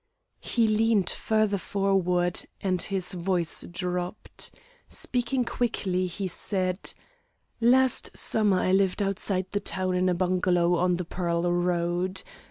He leaned farther forward, and his voice dropped. Speaking quickly, he said: "Last summer I lived outside the town in a bungalow on the Pearl Road.